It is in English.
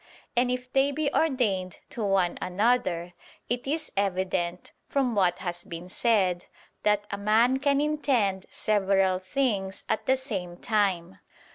And if they be ordained to one another, it is evident, from what has been said, that a man can intend several things at the same time.